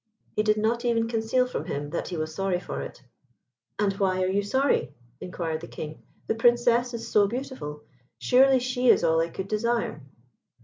He did not even conceal from him that he was sorry for it. "And why are you sorry?" inquired the King. "The Princess is so beautiful; surely she is all I could desire."